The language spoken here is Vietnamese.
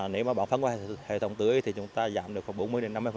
nếu mà bỏ phát qua hệ thống tưới thì chúng ta giảm được khoảng bốn mươi năm mươi